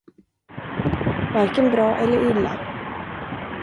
Varken bra eller illa.